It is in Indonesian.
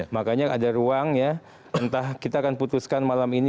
makanya ada ruang ya entah kita akan putuskan malam ini